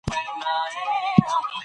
راځئ چي یو بل ته کتاب ډالۍ کړو.